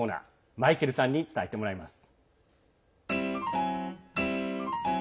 マイケルさんに伝えてもらいます。